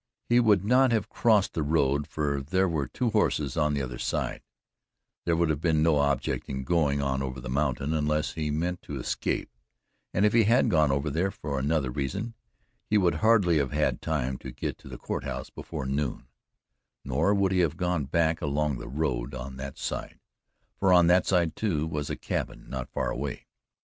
He would not have crossed the road, for there were two houses on the other side; there would have been no object in going on over the mountain unless he meant to escape, and if he had gone over there for another reason he would hardly have had time to get to the Court House before noon: nor would he have gone back along the road on that side, for on that side, too, was a cabin not far away.